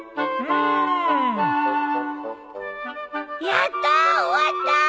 やったー終わった！